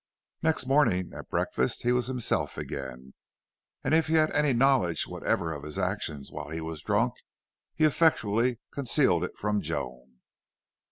Next morning at breakfast he was himself again, and if he had any knowledge whatever of his actions while he was drunk, he effectually concealed it from Joan.